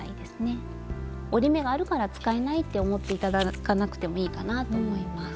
「折り目があるから使えない」って思って頂かなくてもいいかなと思います。